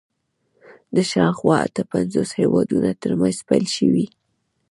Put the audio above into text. د شاوخوا اته پنځوس هېوادونو تر منځ پیل شوي